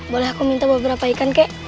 boleh aku minta beberapa ikan kek